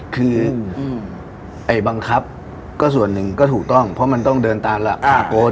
คือไอ้บังคับก็ส่วนหนึ่งก็ถูกต้องเพราะมันต้องเดินตามหลักอาโกน